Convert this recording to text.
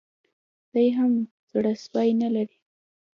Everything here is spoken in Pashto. دی هم زړه سوی نه لري